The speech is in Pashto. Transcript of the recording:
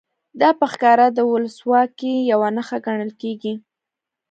دا په ښکاره د ولسواکۍ یوه نښه ګڼل کېږي.